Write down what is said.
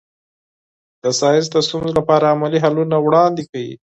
ساینس د ستونزو لپاره عملي حلونه وړاندې کوي.